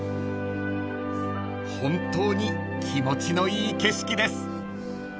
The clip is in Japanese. ［本当に気持ちのいい景色です］